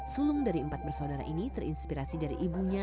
sulung dari empat bersaudara ini terinspirasi dari ibunya